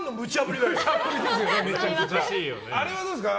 あれはどうですか？